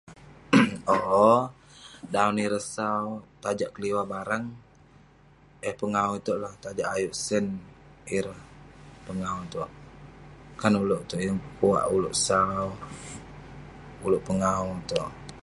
Owk, dan ireh sau tajak keliwah barang. Eh pengawu itouk lah tajak ayuk sen, ireh pengawu itouk. Kan ulouk itouk yeng pekuak ulouk sau, ulouk pengawu itouk.